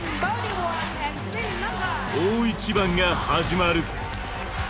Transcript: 大一番が始まる。